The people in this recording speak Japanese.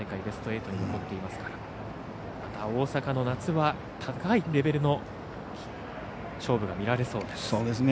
ベスト８に残っていますから大阪の夏は高いレベルの勝負が見られそうです。